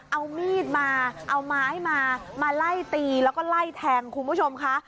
เอามีดมาเอาไม้มามาไล่ตีแล้วก็ไล่แทงคุณผู้ชมค่ะ